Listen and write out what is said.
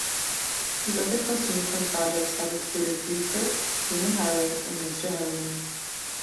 His other post-Unicorns projects have included Reefer, Human Highway and Mister Heavenly.